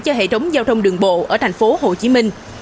cho hệ thống giao thông đường bộ ở thành phố hồ chí minh